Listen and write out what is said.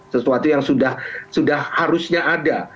sesuatu yang sudah harusnya ada